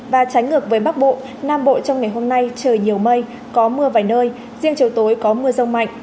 và trái ngược với bắc bộ nam bộ trong ngày hôm nay trời nhiều mây có mưa vài nơi riêng chiều tối có mưa rông mạnh